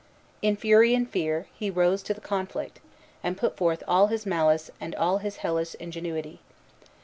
In fury and fear, he rose to the conflict, and put forth all his malice and all his hellish ingenuity.